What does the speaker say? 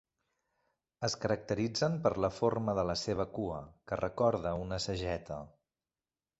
Es caracteritzen per la forma de la seva cua, que recorda una sageta.